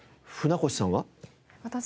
舟越さんは？